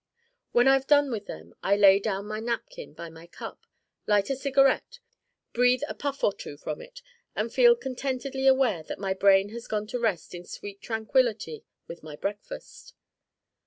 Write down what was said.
When I've done with them I lay down my napkin by my cup, light a cigarette, breathe a puff or two from it and feel contentedly aware that my brain has gone to rest in sweet tranquillity with my breakfast.